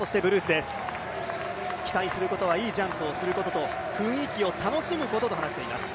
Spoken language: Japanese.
期待することはいいジャンプをするということと雰囲気を楽しむことと話しています。